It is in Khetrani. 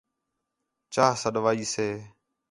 چاہ سَݙوائیسے